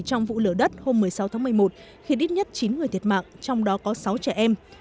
trong vụ lửa đất hôm một mươi sáu tháng một mươi một khiến ít nhất chín người thiệt mạng trong đó có sáu trẻ em